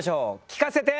聞かせて。